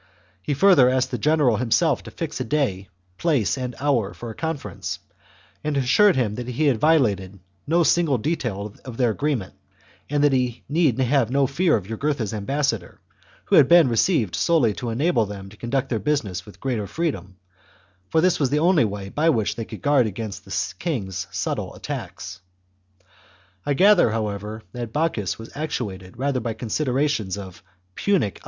He further asked the general himself to fix a day, place, and hour, for a conference, and assured him that he had violated no single detail of their agree ment, and that he need have no fear of Jugurtha's ambassador, who had been received solely to enable them to conduct their business with greater freedom, for this was the only way by which they could guard against the king's subtle attacks. I gather, however, that Boc 242 THE JUGURTHINE WAR. CHAP, chus was actuated rather by considerations of " Punic CVIII.